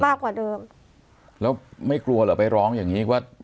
มากกว่าเดิมแล้วไม่กลัวเหรอไปร้องอย่างงี้ว่า